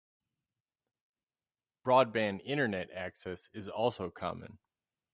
Broadband Internet access is also common.